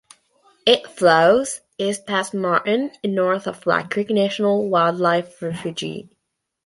It flows east past Martin and north of Lacreek National Wildlife Refuge.